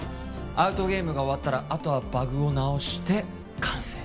アウトゲームが終わったらあとはバグを直して完成